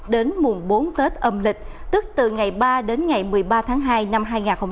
đến mùng bốn tết âm lịch tức từ ngày ba đến ngày một mươi ba tháng hai năm hai nghìn hai mươi